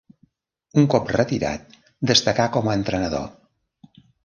Un cop retirat destacà com a entrenador.